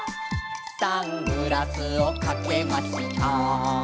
「サングラスをかけました」